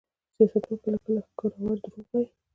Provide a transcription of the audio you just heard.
سیاستوال کله کله ښکرور دروغ وايي.